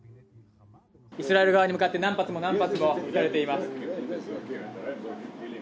イスラエル側に向かって何発も何発も撃たれています。